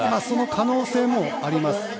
その可能性もあります。